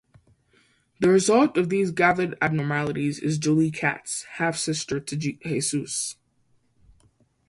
The result of these gathered abnormalities is Julie Katz, half-sister to Jesus.